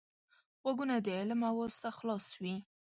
غوږونه د علم آواز ته خلاص وي